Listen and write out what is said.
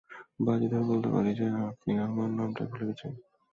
বাজি ধরে বলতে পারি যে আপনি আমার নামটাও ভুলে গেছেন!